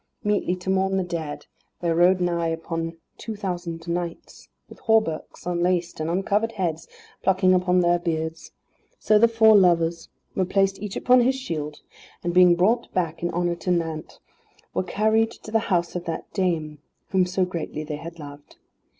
Meetly to mourn the dead there rode nigh upon two thousand knights, with hauberks unlaced, and uncovered heads, plucking upon their beards. So the four lovers were placed each upon his shield, and being brought back in honour to Nantes, were carried to the house of that dame, whom so greatly they had loved.